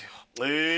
え！